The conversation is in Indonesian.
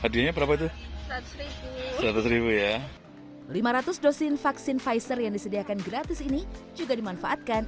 hadiahnya berapa tuh seratus ribu ya lima ratus dosis vaksin pfizer yang disediakan gratis ini juga dimanfaatkan